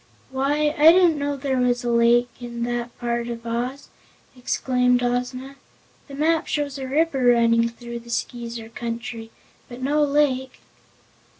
"Why, I didn't know there was a lake in that part of Oz," exclaimed Ozma. "The map shows a river running through the Skeezer Country, but no lake."